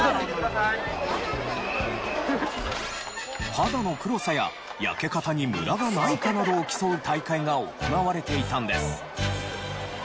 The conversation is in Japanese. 肌の黒さや焼け方にムラがないかなどを競う大会が行われていたんです。